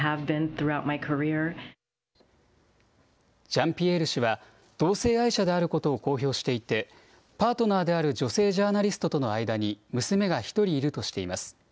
ジャンピエール氏は同性愛者であることを公表していて、パートナーである女性ジャーナリストとの間に娘が１人いるとしています。